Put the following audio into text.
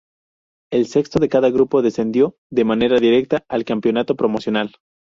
El sexto de cada grupo descendió de manera directa al "Campeonato Promocional".